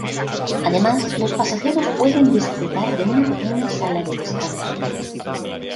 Además los pasajeros pueden disfrutar de una pequeña sala de descanso.